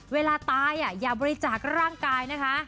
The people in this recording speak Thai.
เวลาตายอย่าบริจาคร่างกายนะคะ